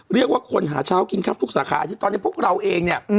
เรียกว่าคนหาเช้ากินครับทุกสาขาอาทิตย์ตอนนี้พวกเราเองเนี่ย